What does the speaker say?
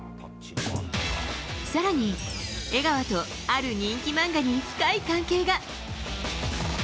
更に、江川とある人気漫画に深い関係が。